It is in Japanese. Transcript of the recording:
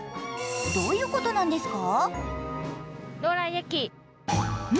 どういうことなんですか？